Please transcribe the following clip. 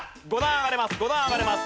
５段上がれます。